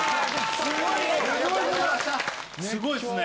すごいっすね。